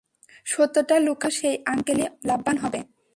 সত্যটা লুকালে, শুধু সেই আঙ্কেলই লাভবান হবে।